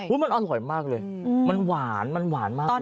มันอร่อยมากเลยมันหวานมันหวานมากเลย